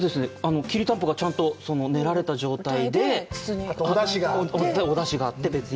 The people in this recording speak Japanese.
きりたんぽがちゃんと練られた状態で、あとお出汁があって別に。